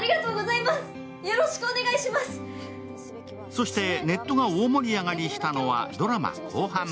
そしてネットが大盛り上がりしたのはドラマ後半。